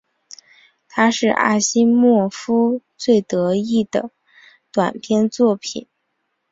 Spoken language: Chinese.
它是阿西莫夫最得意的短篇作品。